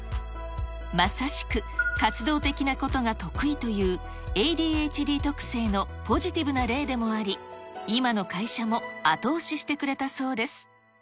まさしく、活動的なことが得意というＡＤＨＤ特性のポジティブな例でもあり、今の会社も後押ししてくれたそうです。